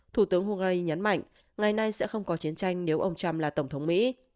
thủ tướng hungary nhấn mạnh ngày nay sẽ không có chiến tranh nếu ông trump là tổng thống mỹ